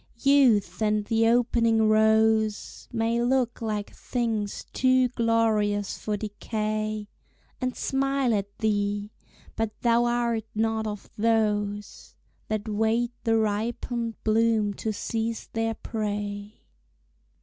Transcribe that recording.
Youth and the opening rose May look like things too glorious for decay, And smile at thee but thou art not of those That wait the ripened bloom to seize their prey.